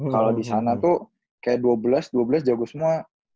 kalau di sana tuh kayak dua belas dua belas jago semua